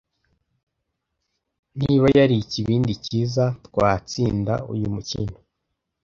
Niba yari ikibindi cyiza, twatsinda uyu mukino.